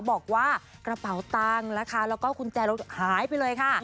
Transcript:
บอกว่ากระเป๋าตังค์นะคะแล้วก็กุญแจรถหายไปเลยค่ะ